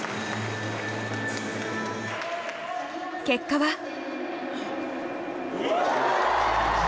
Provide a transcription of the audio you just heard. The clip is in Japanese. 結果は。